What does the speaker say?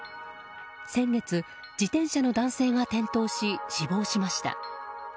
先月、自転車の男性が転倒し死亡しました。